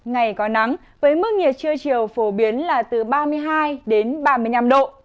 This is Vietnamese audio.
ngày có nắng với mức nhiệt trưa chiều phổ biến là từ ba mươi hai đến ba mươi năm độ